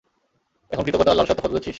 এখন কৃতজ্ঞতা আর লালসার তফাত বুঝেছিস?